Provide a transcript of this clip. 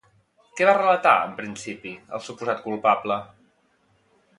Què va relatar, en principi, el suposat culpable?